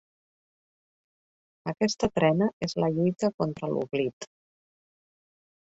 Aquesta trena és la lluita contra l’oblit.